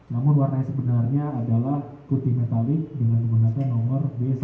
namun warna yang sebenarnya adalah putih metalik dengan menggunakan nomor b satu ratus tiga puluh sembilan rms